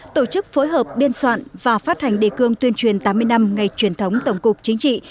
tổ chức phối hợp biên soạn và phát hành đề cương tuyên truyền tám mươi năm ngày truyền thống tổng cục chính trị